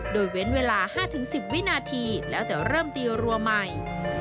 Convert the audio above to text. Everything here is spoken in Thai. โดยเว้นเวลา๕๑๐วินาทีแล้วจะเริ่มตีรัวใหม่